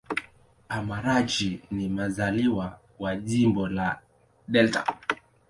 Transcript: Amarachi ni mzaliwa wa Jimbo la Delta.